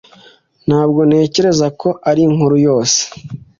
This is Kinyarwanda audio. Ntabwo ntekereza ko arinkuru yose